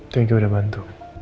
thank you udah bantu